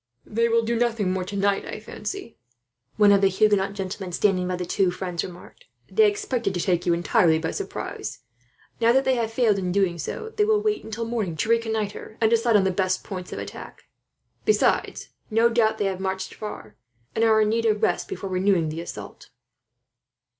"They will do nothing more tonight, I fancy," one of the Huguenot gentlemen standing by the two friends remarked. "They expected to take you entirely by surprise. Now that they have failed in doing so, they will wait until morning to reconnoitre, and decide on the best points of attack. Besides, no doubt they have marched far, and are in need of rest before renewing the assault."